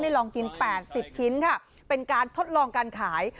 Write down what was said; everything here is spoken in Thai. ลองกิน๘๐ชิ้นค่ะเป็นการทดลองการขาย